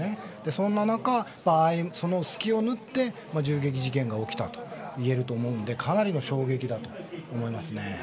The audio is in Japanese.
そんな中、その隙を縫って銃撃事件が起きたと言えると思うのでかなりの衝撃だと思います。